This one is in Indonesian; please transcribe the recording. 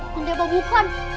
kunti apa bukan